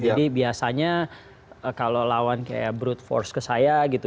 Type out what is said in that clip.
jadi biasanya kalau lawan kayak brute force ke saya gitu